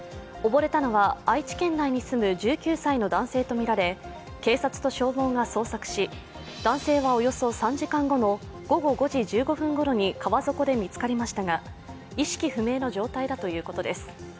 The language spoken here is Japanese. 溺れたのは愛知県内に住む１９歳の男性とみられ警察と消防が捜索し、男性はおよそ３時間後の午後５時１５分ごろに川底で見つかりましたが意識不明の状態だということです。